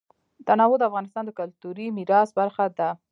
تنوع د افغانستان د کلتوري میراث برخه ده.